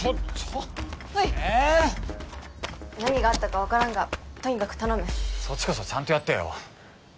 ほい何があったか分からんがとにかく頼むそっちこそちゃんとやってよ